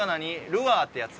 ルアーってやつ？